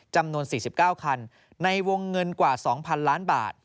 จำนวน๔๙คันในวงเงินกว่า๒๐๐๐ล้านบาท